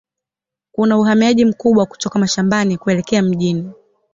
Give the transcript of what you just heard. Kuna uhamiaji mkubwa kutoka mashambani kuelekea mjini.